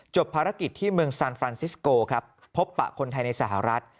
ภารกิจที่เมืองซานฟรานซิสโกครับพบปะคนไทยในสหรัฐ